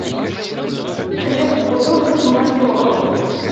Telliḍ tḍelluḍ takemmart i weɣrum.